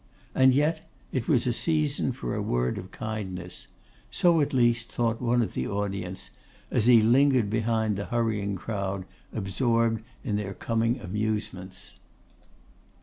And yet it was a season for a word of kindness; so, at least, thought one of the audience, as he lingered behind the hurrying crowd, absorbed in their coming amusements.